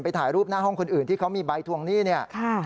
ถ่ายรูปหน้าห้องคนอื่นที่เขามีใบทวงหนี้เนี่ย